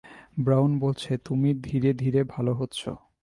Brown বলছে, তুমি ধীরে ধীরে ভাল হচ্ছ।